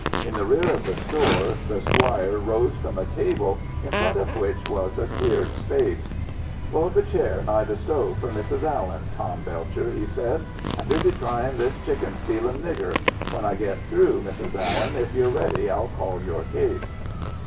In the rear of the store the squire rose from a table, in front of which was a cleared space. "Pull up a chair nigh the stove for Mrs. Allen, Tom Belcher," he said. "I'm busy tryin' this chicken stealin' nigger. When I get through, Mrs. Allen, if you're ready I'll call your case."